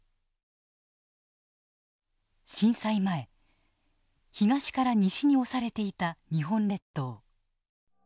震災前東から西に押されていた日本列島。